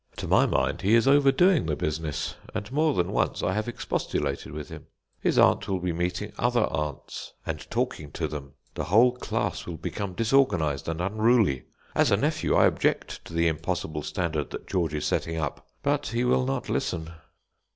To my mind, he is overdoing the business, and more than once I have expostulated with him. His aunt will be meeting other aunts, and talking to them; the whole class will become disorganised and unruly. As a nephew, I object to the impossible standard that George is setting up. But he will not listen.